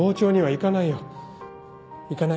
行かない。